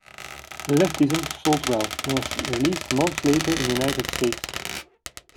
"Leftism" sold well and was released months later in the United States.